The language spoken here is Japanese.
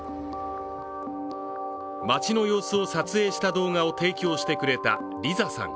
街の様子を撮影した動画を提供してくれたリザさん。